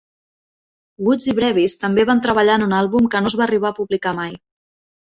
Woods i Brewis també van treballar en un àlbum que no es va arribar a publicar mai.